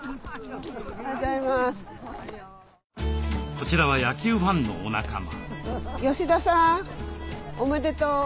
こちらは野球ファンのお仲間。